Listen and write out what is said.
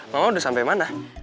mama udah sampai mana